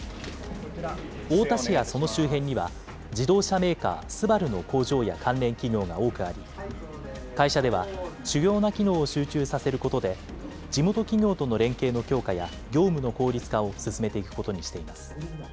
太田市やその周辺には自動車メーカー、ＳＵＢＡＲＵの工場や関連企業が多くあり、会社では主要な機能を集中させることで、地元企業との連携の強化や業務の効率化を進めていくことにしています。